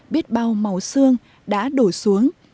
biết bao màu xương đã đổi xuống